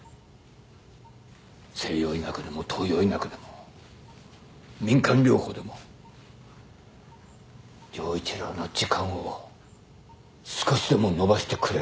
西洋医学でも東洋医学でも民間療法でも城一郎の時間を少しでも延ばしてくれるなら。